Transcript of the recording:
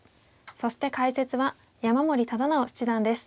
そして解説は山森忠直七段です。